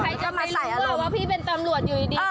ใครจะไม่รู้ว่าว่าพี่เป็นตำรวจอยู่ดีเออ